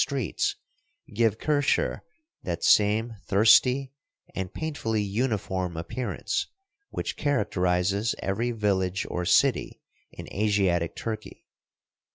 I 11 streets give Kirshehr that same thirsty and painfully uniform appearance which characterizes every village or city in Asiatic Turkey.